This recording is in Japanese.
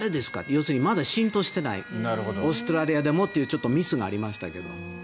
要するにまだ浸透していないオーストラリアでもというミスがありましたけど。